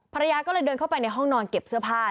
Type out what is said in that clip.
ภรรยาก็เลยเดินเข้าไปในห้องนอนเก็บเสื้อผ้า